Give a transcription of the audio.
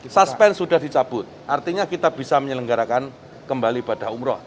suspend sudah dicabut artinya kita bisa menyelenggarakan kembali ibadah umroh